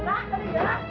doa lagi ah